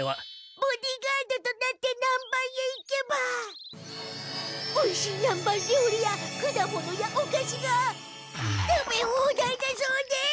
ボディーガードとなって南蛮へ行けばおいしい南蛮料理やくだものやおかしが食べ放題だそうです！